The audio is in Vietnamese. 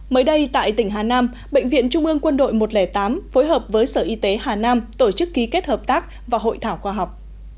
mới đây tại tỉnh hà nam bệnh viện trung ương quân đội một trăm linh tám phối hợp với sở y tế hà nam tổ chức ký kết hợp tác và hội thảo khoa học